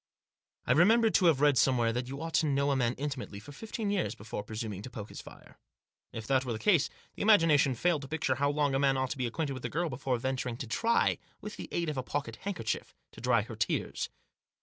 I remembered to have read somewhere that you ought to know a man intimately for fifteen years before presuming to poke his fire. If that were the case the imagination failed to picture how long a man ought to be acquainted with a girl before venturing to try, with the aid of a pocket handkerchief, to dry her tears.